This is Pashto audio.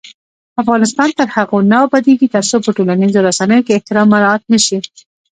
افغانستان تر هغو نه ابادیږي، ترڅو په ټولنیزو رسنیو کې احترام مراعت نشي.